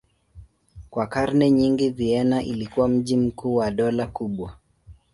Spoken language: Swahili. Kwa karne nyingi Vienna ilikuwa mji mkuu wa dola kubwa.